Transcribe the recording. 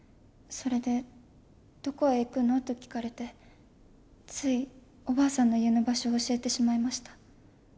それで「どこへ行くの？」と聞かれてついおばあさんの家の場所を教えてしまいました。